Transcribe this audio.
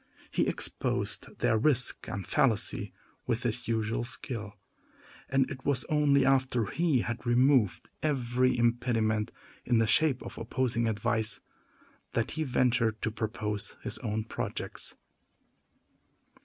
He exposed their risk and fallacy with his usual skill; and it was only after he had removed every impediment, in the shape of opposing advice, that he ventured to propose his own projects.